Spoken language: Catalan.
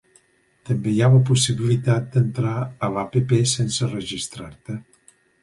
També hi ha la possibilitat d'entrar a l'app sense registrar-te.